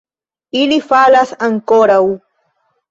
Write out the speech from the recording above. Ili falas ankoraŭ!